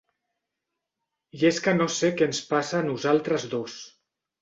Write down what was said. I és que no sé què ens passa a nosaltres dos.